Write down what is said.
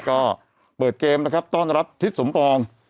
ก็เปิดเกมนะครับต้อนรับทิศสมปอง